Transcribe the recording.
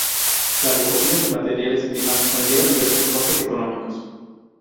La recogida de materiales primas conlleva diversos costes económicos.